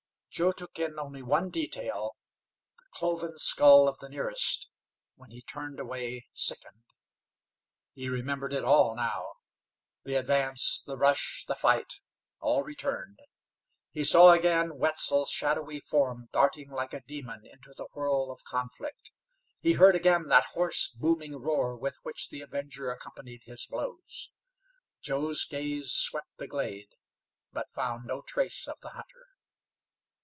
Joe took in only one detail the cloven skull of the nearest when he turned away sickened. He remembered it all now. The advance, the rush, the fight all returned. He saw again Wetzel's shadowy form darting like a demon into the whirl of conflict; he heard again that hoarse, booming roar with which the Avenger accompanied his blows. Joe's gaze swept the glade, but found no trace of the hunter.